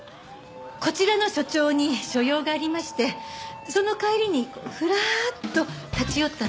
こちらの署長に所用がありましてその帰りにふらっと立ち寄ったんです。